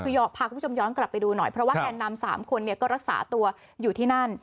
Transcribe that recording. คือพาคุณผู้ชมย้อนกลับไปดูหน่อยเพราะว่าแกนนำ๓คนก็รักษาตัวอยู่ที่นั่น